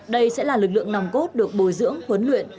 đây sẽ là lực lượng nòng cốt được bồi dưỡng huấn luyện